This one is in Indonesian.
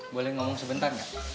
boleh ngomong sebentar nggak